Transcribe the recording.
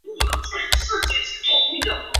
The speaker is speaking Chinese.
是贝尔垂生涯迄今为止打得最好的一个赛季。